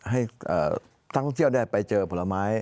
ให้ท่านท่องเชี่ยวนั่นไปเจอผลไม้